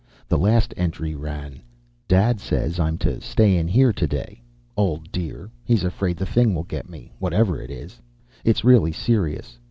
The last entry ran: "Dad says I'm to stay in here to day. Old dear, he's afraid the thing will get me whatever it is. It's really serious.